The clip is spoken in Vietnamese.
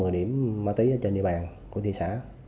một mươi điểm ma túy trên địa bàn của thị xã